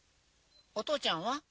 「お父ちゃんは？」